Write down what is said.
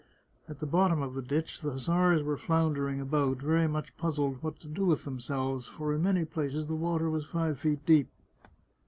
At the bottom of the ditch the hussars were floundering about, very much puzzled what to do with themselves, for in many places the water was five feet deep.